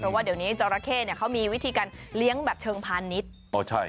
เพราะว่าเดี๋ยวนี้จราเข้เนี่ยเขามีวิธีการเลี้ยงแบบเชิงพาณิชย์